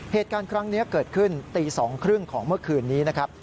เหตุการณ์ครั้งนี้เกิดขึ้นตี๒๓๐ของเมื่อคืนนี้นะครับ